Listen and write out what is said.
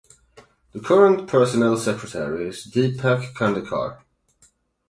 The current Personnel Secretary is Deepak Khandekar.